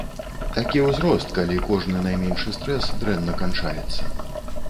Такі ўзрост, калі кожны найменшы стрэс дрэнна канчаецца.